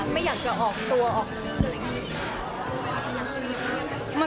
ไม่อยากจะออกตัวออกชื่อ